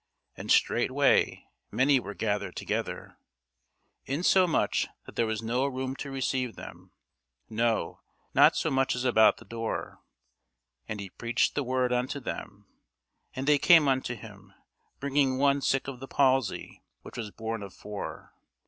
And straightway many were gathered together, insomuch that there was no room to receive them, no, not so much as about the door: and he preached the word unto them. And they come unto him, bringing one sick of the palsy, which was borne of four.